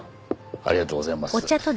ありがとうございます。